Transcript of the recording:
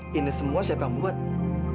semuanya ini siapa yang membuatnya